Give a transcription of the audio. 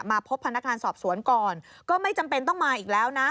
พบพนักงานสอบสวนก่อนก็ไม่จำเป็นต้องมาอีกแล้วนะ